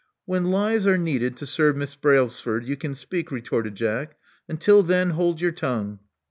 When lies are needed to serve Miss Brailsford, you can speak," retorted Jack. Until then, hold your tongue.